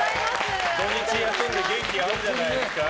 土日休んで元気あるんじゃないですか？